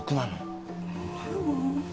でも。